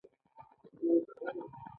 ایا موږ اخلاقاً مکلف یو که نه؟